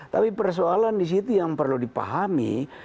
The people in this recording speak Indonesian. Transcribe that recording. tapi persoalan di situ yang perlu dipahami